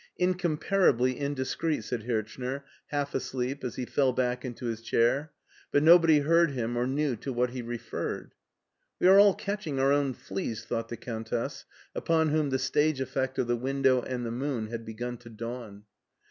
" Incomparably indiscreet/' said Hirchner, half asleep, as he fell back into his chair, but nobody heard him or knew to what he referred. " We are all catching our own fleas," thought the Countess, upon whom the stage effect of the window and the moon had begun to dawn.